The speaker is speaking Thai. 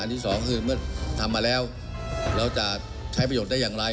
ที่สองคือเมื่อทำมาแล้วเราจะใช้ประโยชน์ได้อย่างไร